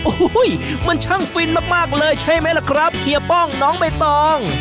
โอ้โหมันช่างฟินมากเลยใช่ไหมล่ะครับเฮียป้องน้องใบตอง